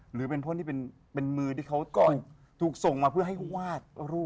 หรือเป็นเพราะนี่เป็นมือที่เขาถูกส่งมาเพื่อให้วาดรูป